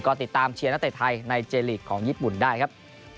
ก็ติดตามเชียร์นักเตะไทยในเจลีกของญี่ปุ่นได้ครับ